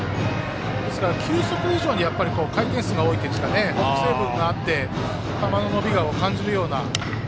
ですから球速以上に回転数が多いというかホップ成分があって球の伸びを感じるような。